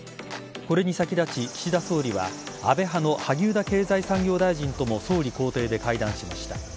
これに先立ち岸田総理は安倍派の萩生田経済産業大臣とも総理公邸で会談しました。